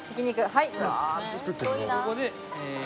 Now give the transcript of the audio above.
はい。